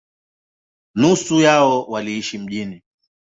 Nusu yao waliishi mjini.